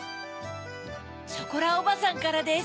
ショコラおばさんからです。